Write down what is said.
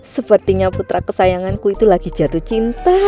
sepertinya putra kesayanganku itu lagi jatuh cinta